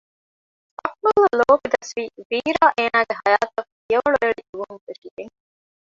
އަކުމަލްއަށް ލޯބި ދަސްވީ ވީރާ އޭނާގެ ހަޔާތަށް ފިޔަވަޅުއެޅި ދުވަހުން ފެށިގެން